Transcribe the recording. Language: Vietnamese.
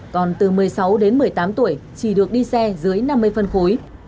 còn từ một mươi sáu đến một mươi tám tuổi chỉ được đi xe dưới năm mươi phân khối